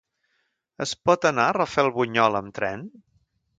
Es pot anar a Rafelbunyol amb tren?